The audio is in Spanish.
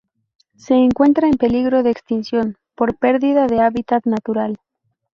Se encuentra en peligro de extinción por perdida de hábitat natural.